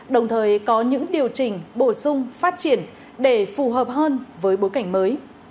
đồng thời có những điều chỉnh bổ sung phát triển để phù hợp hơn với bối cảnh mới